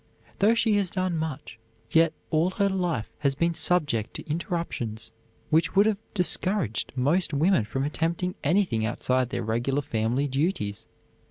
Though she has done so much, yet all her life has been subject to interruptions which would have discouraged most women from attempting anything outside their regular family duties.